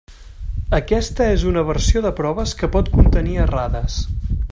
Aquesta és una versió de proves que pot contenir errades.